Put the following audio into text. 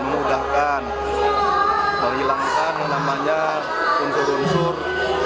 memudahkan menghilangkan unsur unsur pungli